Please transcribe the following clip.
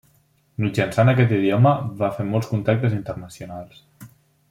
Mitjançant aquest idioma va fer molts contactes internacionals.